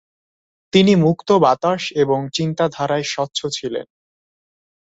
তিনি মুক্ত বাতাস এবং চিন্তাধারায় স্বচ্ছ ছিলেন।